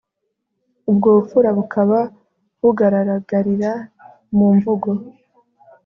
ubwo bupfura bukaba bugararagarira mu mvugo